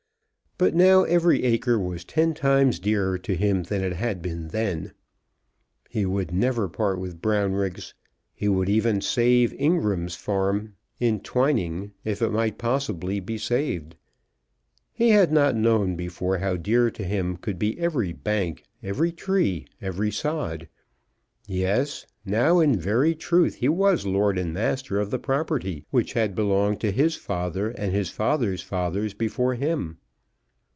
But now, every acre was ten times dearer to him than it had been then. He would never part with Brownriggs. He would even save Ingram's farm, in Twining, if it might possibly be saved. He had not known before how dear to him could be every bank, every tree, every sod. Yes; now in very truth he was lord and master of the property which had belonged to his father, and his father's fathers before him.